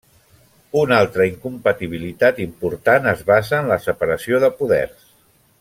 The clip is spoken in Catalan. Una altra incompatibilitat important es basa en la separació de poders.